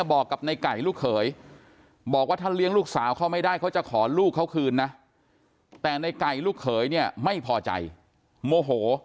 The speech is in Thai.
มีความภาษาใจโมโห